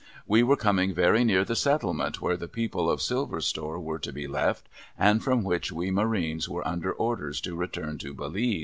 AVe were coming very near the settlement where the people of Silver Store were to be left, and from which we Marines were under orders to return to Belize.